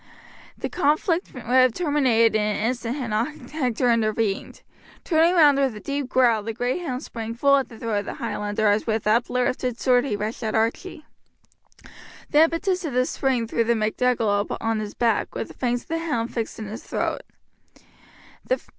The conflict would have terminated in an instant had not Hector intervened. Turning round with a deep growl the great hound sprang full at the throat of the Highlander as with uplifted sword he rushed at Archie. The impetus of the spring threw the MacDougall on his back, with the fangs of the hound fixed in his throat.